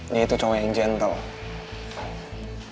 dia itu cowok yang gentle